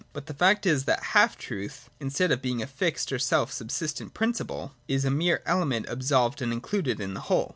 But the fact is that the half truth, instead of being a fixed or self sub sistent principle, is a mere element absolved and included in the whole.